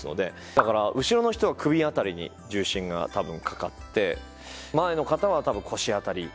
だから後ろの人は首辺りに重心が多分かかって前の方は多分腰辺りに重心がかかる。